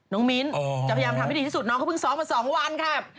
น้องมินทร์จะพยายามทำให้ดีที่สุดน้องเขาเพิ่งซ้องมา๒วันครับ